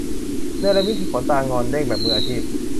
เนรมิตให้ขนตางอนเด้ง แบบมืออาชีพ